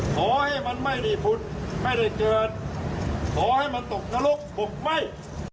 ขอให้มันไม่ได้ผุดไม่ได้เกิดขอให้มันตกนรกตกไหม้